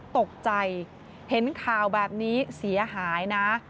ตกใจเห็นข่าวแบบนี้เสียหายนะ